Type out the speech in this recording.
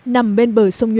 nằm bên bờ sông nhuệ